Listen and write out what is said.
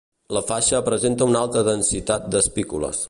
La faixa presenta una alta densitat d'espícules.